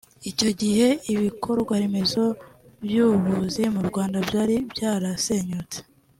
Icyo gihe ibikorwaremezo by’ubuvuzi mu Rwanda byari byarasenyutse